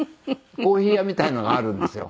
コーヒー屋みたいなのがあるんですよ。